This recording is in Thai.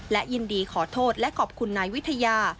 และยินดีขอโทษและขอบคุณนายวิทยา